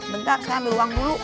bentar saya ambil uang dulu